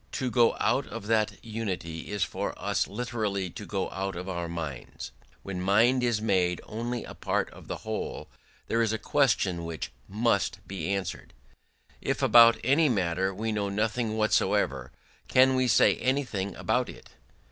To go out of that unity is for us literally to go out of our minds.... When mind is made only a part of the whole, there is a question which must be answered.... If about any matter we know nothing whatsoever, can we say anything about it?